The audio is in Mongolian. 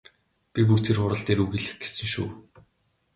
Би бүр тэр хурал дээр үг хэлэх гэсэн шүү.